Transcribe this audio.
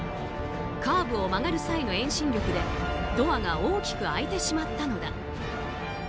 カーブを曲がる際の遠心力でドアが大きく開いてしまったのだ。